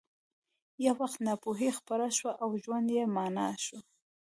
یو وخت ناپوهي خپره شوه او ژوند بې مانا شو